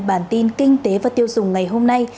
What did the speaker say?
bản tin kinh tế và tiêu dùng ngày hôm nay